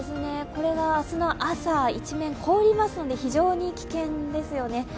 これが明日の朝、一面凍りますので、非常に危険ですよね。